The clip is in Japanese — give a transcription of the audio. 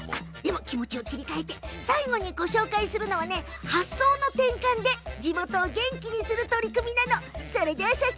気持ちを切り替えてさあ、最後にご紹介するのは発想の転換で地元を元気にする取り組みよ！